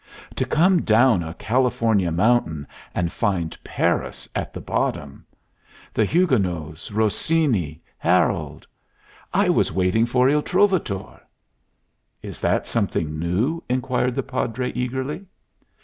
"To come down a California mountain and find Paris at the bottom! The Huguenots, Rossini, Herold I was waiting for Il Trovatore." "Is that something new?" inquired the Padre, eagerly.